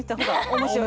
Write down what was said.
面白い。